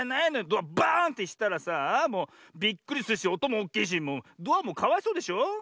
ドアバーンってしたらさあもうびっくりするしおともおっきいしドアもかわいそうでしょ。